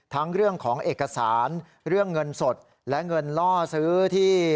เรื่องของเอกสารเรื่องเงินสดและเงินล่อซื้อที่